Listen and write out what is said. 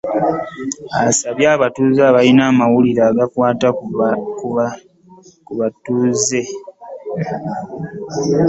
Asabye abatuuze abalina amawulire agayinza okubasuula mu buufu bw'abatemu b'ebijambiya.